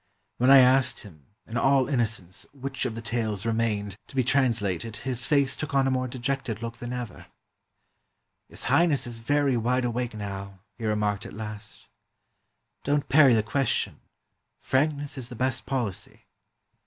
When I asked him, in all innocence, which of the tales remained 397 PERSIA to be translated, his face took on a more dejected look than ever. " His Highness is very wide awake now," he remarked at last. "Don't parry the question. Frankness is the best policy."